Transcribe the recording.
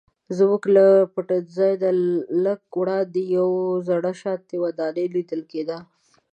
زموږ له پټنځي نه لږ وړاندې یوه زړه شانتې ودانۍ لیدل کیده.